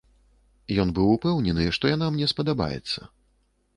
Ён быў упэўнены, што яна мне спадабаецца.